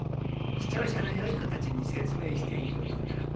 視聴者のよい子たちに説明しているのだ。